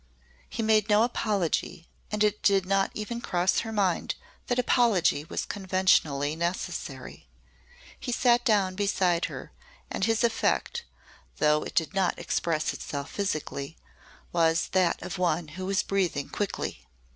He made no apology and it did not even cross her mind that apology was conventionally necessary. He sat down beside her and his effect though it did not express itself physically was that of one who was breathing quickly.